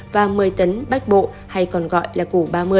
và một mươi tấn bách bộ hay còn gọi là củ ba mươi